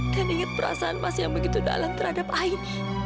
dan ingat perasaan mas yang begitu dalam terhadap aini